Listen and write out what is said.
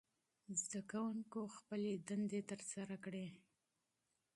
شاګردانو خپلې دندې ترسره کړې.